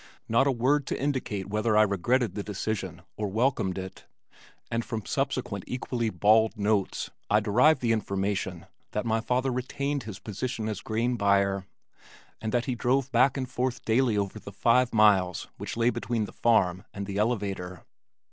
Not a word to indicate whether I regretted the decision or welcomed it, and from subsequent equally bald notes, I derive the information that my father retained his position as grain buyer, and that he drove back and forth daily over the five miles which lay between the farm and the elevator.